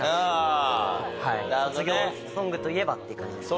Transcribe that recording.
卒業ソングといえばっていう感じです。